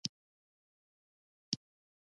لمر د ګرمۍ ډېرولو لپاره اساس دی.